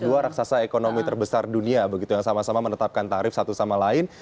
dua raksasa ekonomi terbesar dunia begitu yang sama sama menetapkan tarif satu sama lain